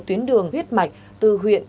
tuyến đường huyết mạch từ huyện